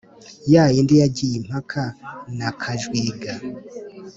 ya yindi yagiye impaka na kajwiga